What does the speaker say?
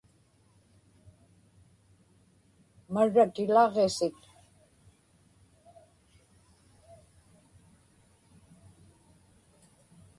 marra tilaġġisit